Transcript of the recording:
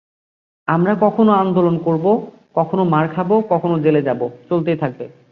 আমরা কখনো আন্দোলন করব, কখনো মার খাব, কখনো জেলে যাব—চলতেই থাকবে।